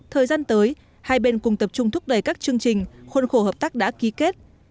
thời gian tới hai bên cùng tập trung thúc đẩy các chương trình khuôn khổ hợp tác đã ký kết